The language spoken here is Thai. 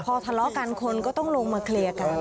พอทะเลาะกันคนก็ต้องลงมาเคลียร์กัน